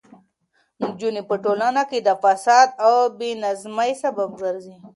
نجونې په ټولنه کې د فساد او بې نظمۍ سبب ګرځي.